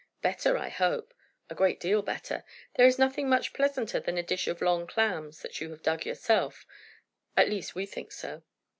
"Better, I hope?" "A great deal better. There is nothing much pleasanter than a dish of long clams that you have dug yourself. At least we think so."